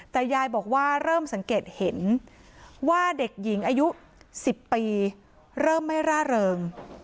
แต่ยายบอกว่าเริ่มสังเกตเห็นว่าเด็กหญิงอายุ๑๐ปีเริ่มไม่ร่าเริง